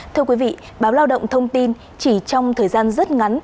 thưa quý vị báo lao động thông tin chỉ trong thời gian rất ngắn